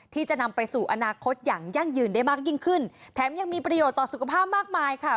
ที่จะนำไปสู่อนาคตอย่างยั่งยืนได้มากยิ่งขึ้นแถมยังมีประโยชน์ต่อสุขภาพมากมายค่ะ